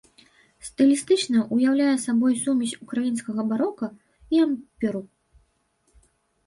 Стылістычна ўяўляе сабой сумесь ўкраінскага барока і ампіру.